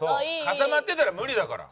固まってたら無理だから。